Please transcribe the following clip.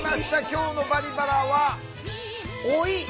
今日の「バリバラ」は老い。